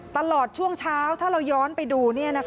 ตลอดช่วงเช้าถ้าเราย้อนไปดู